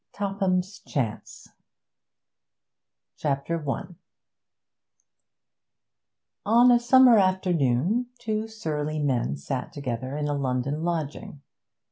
TOPHAM'S CHANCE CHAPTER I On a summer afternoon two surly men sat together in a London lodging.